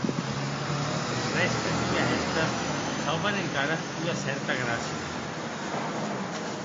Es rèstes d’ua hèsta sauven encara ua cèrta gràcia.